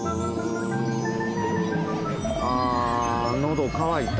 あのどかわいた。